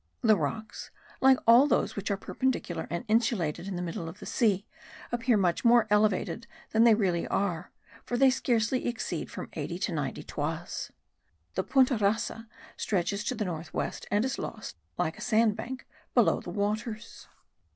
The rocks, like all those which are perpendicular and insulated in the middle of the sea, appear much more elevated than they really are, for they scarcely exceed from 80 to 90 toises. The Punta rasa stretches to the north west and is lost, like a sandbank, below the waters.